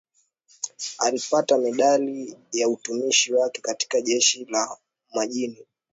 alipata medali ya utumishi wake katika jeshi la majini